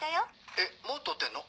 えっもうとってんの？